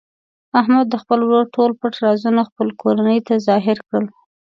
احمد د خپل ورور ټول پټ رازونه خپلې کورنۍ ته ظاهره کړل.